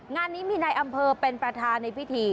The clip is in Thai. งานนี้มีนายอำเภอเป็นประธานในพิธี